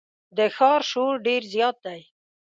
د ښار شور ډېر زیات دی.